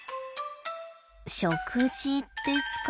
食事ですか。